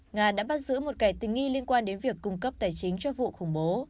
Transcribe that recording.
nga đã bắt giữ một kẻ tình nghi liên quan đến việc cung cấp tài chính cho vụ khủng bố